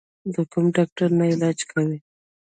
د کوم ډاکټر نه علاج کوې؟